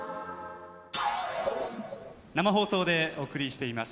・生放送でお送りしています。